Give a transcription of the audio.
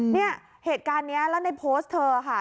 เนี่ยเหตุการณ์นี้แล้วในโพสต์เธอค่ะ